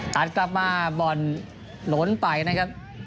ตัดกลับมาบอลหล้นไปนะครับ